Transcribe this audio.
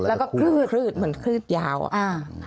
แล้วก็คืดคืดเหมือนคืดยาวอ่ะ